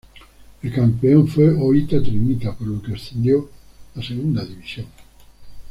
El campeón fue Oita Trinita, por lo que ascendió a Segunda División.